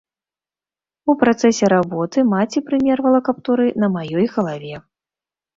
У працэсе работы маці прымервала каптуры на маёй галаве.